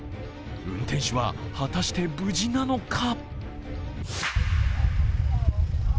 運転手は果たして無事なのか？